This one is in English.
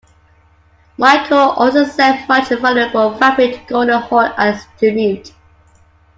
Michael also sent much valuable fabric to Golden Horde as tribute.